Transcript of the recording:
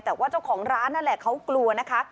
แต่ว่าเจ้าของร้านนั่นแหละเขากลัวนะคะ